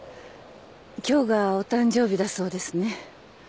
今日がお誕生日だそうですね？